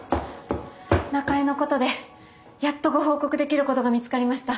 中江のことでやっとご報告できることが見つかりました。